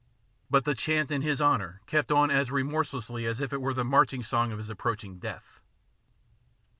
But the chant in his honour kept on as remorselessly as if it was the marching song of his approaching death.